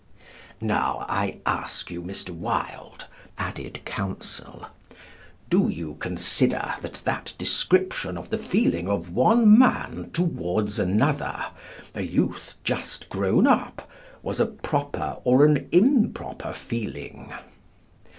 "Now, I ask you, Mr. Wilde," added Counsel, "do you consider that that description of the feeling of one man towards another, a youth just grown up, was a proper or an improper feeling?"